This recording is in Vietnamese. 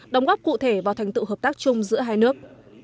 đóng góp cụ thể vào thành tựu hợp tác chung giữa hai nước